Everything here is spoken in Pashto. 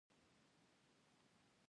پانګه هر څومره چې په ټولنه کې زیاتېږي